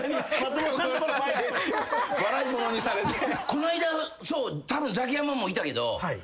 この間たぶんザキヤマもいたけど。